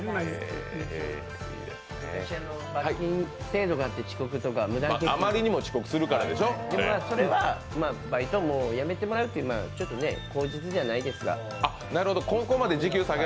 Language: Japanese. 罰金制度があって、遅刻とかそれはバイトもう辞めてもらうという口実じゃないですが。